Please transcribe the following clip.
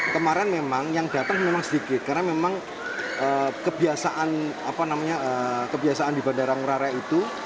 kemarin memang yang datang memang sedikit karena memang kebiasaan kebiasaan di bandara ngurah rai itu